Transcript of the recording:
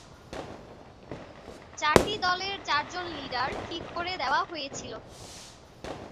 চারটি দলের চারজন লিডার ঠিক করে দেয়া হয়েছিল।